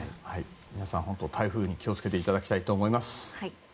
皆さん、台風に気を付けていただきたいと思います。